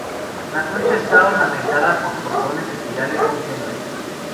La concha está ornamentada por cordones espirales muy tenues.